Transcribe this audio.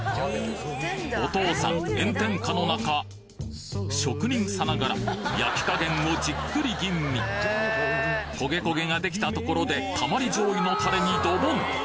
お父さん炎天下の中職人さながら焼き加減をじっくり吟味焦げ焦げができたところでたまり醤油のタレにドボン！